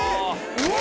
うわ！